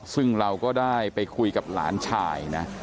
ซึ่งเราก็ได้ไปคุยกับหลานชายนะ